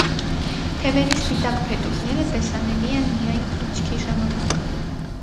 Թևերի սպիտակ փետուրները տեսանելի են միայն թռիչքի ժամանակ։